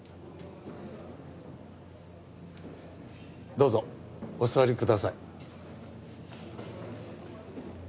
どうぞお座りください。